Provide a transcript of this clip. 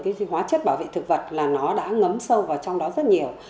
cái hóa chất bảo vệ thực vật là nó đã ngấm sâu vào trong đó rất nhiều